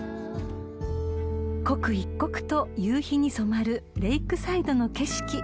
［刻一刻と夕日に染まるレイクサイドの景色］